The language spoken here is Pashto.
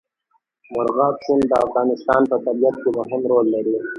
مورغاب سیند د افغانستان په طبیعت کې مهم رول لري.